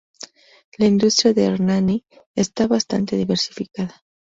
La industria de Hernani está bastante diversificada.